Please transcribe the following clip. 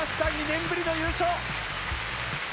２年ぶりの優勝！